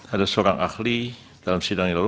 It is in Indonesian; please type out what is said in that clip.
ada seorang ahli dalam sidang yang lalu